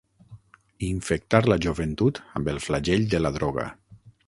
Infectar la joventut amb el flagell de la droga.